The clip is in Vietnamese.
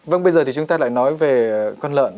vâng bây giờ thì chúng ta lại nói về con lợn